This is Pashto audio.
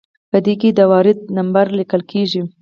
په دې کې د وارده نمبر لیکل کیږي.